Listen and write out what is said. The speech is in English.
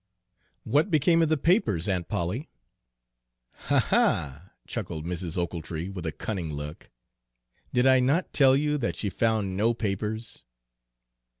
"What became of the papers, Aunt Polly?" "Ha, ha!" chuckled Mrs. Ochiltree with a cunning look, "did I not tell you that she found no papers?"